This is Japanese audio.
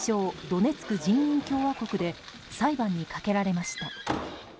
ドネツク人民共和国で裁判にかけられました。